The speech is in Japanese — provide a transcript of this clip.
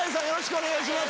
お願いします。